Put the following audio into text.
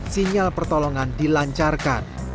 sinyal pertolongan dilancarkan